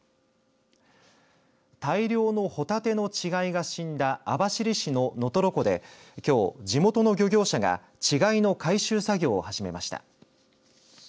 大量のほたての稚貝が死んだ網走市の能取湖できょう地元の漁業者が稚貝の回収作業を始めました。